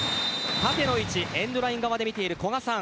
縦の位置エンドライン側から見ている古賀さん